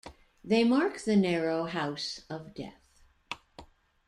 They mark the narrow house of death.